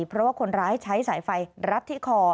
เพราะว่าคนร้ายใช้สายไฟรัดที่คอ